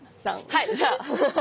はいじゃあ。